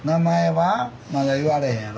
まだ言われへんやろ？